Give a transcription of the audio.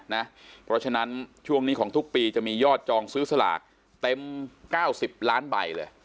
เพราะฉะนั้นช่วงนี้ของทุกปีจะมียอดจองซื้อสลากเต็ม๙๐ล้านใบเลย